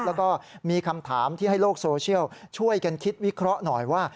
แล้วก็มีคำถามที่ให้โลกโซเชียลช่วยกันคิดวิเคราะห์หน่อยว่า